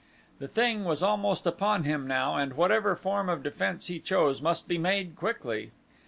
The thing was almost upon him now and whatever form of defense he chose must be made quickly.